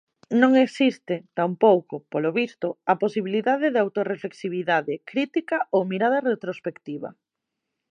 Non existe, tampouco, polo visto, a posibilidade de autorreflexividade crítica ou mirada retrospectiva.